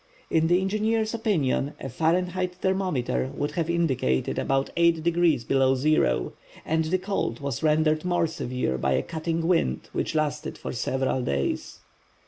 In the engineer's opinion, a Fahrenheit thermometer would have indicated about eight degrees below zero, and the cold was rendered more severe by a cutting wind which lasted for several days.